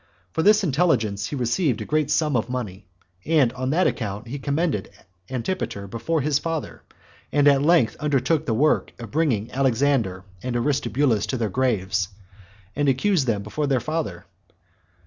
For this intelligence he received a great sum of money, and on that account he commended Antipater before his father, and at length undertook the work of bringing Alexander and Aristobulus to their graves, and accused them before their father.